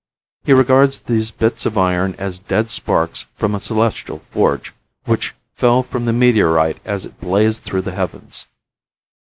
He regards these bits of iron as dead sparks from a celestial forge, which fell from the meteorite as it blazed through the heavens.